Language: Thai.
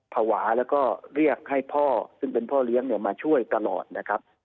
ภาวะแล้วก็เรียกให้พ่อซึ่งเป็นพ่อเลี้ยงมาช่วยตลอดนะครับ